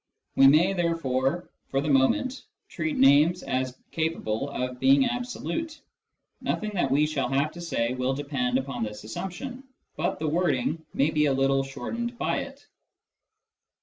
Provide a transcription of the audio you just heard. We may, therefore, for the moment, treat names as capable of being absolute ; nothing that we shall have to say will depend upon this assumption, but the wording may be a little shortened by it.